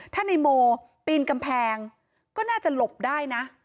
ถ้าในโมปีนกำแพงก็น่าจะหลบได้นะ